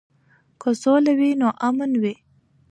که سوله وي نو امان وي.